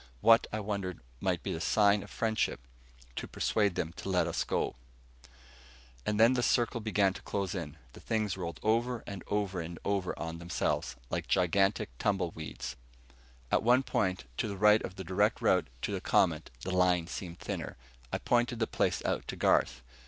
What, I wondered, might be a sign of friendship, to persuade them to let us go. And then the circle began to close in. The things rolled over and over on themselves, like gigantic tumbleweeds. At one point, to the right of the direct route to the Comet, the line seemed thinner. I pointed the place out to Garth.